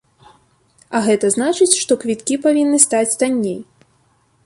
А гэта значыць, што квіткі павінны стаць танней.